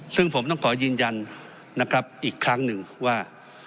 ซึ่งผมต้องขอยืนยันนะครับอีกครั้งหนึ่งว่า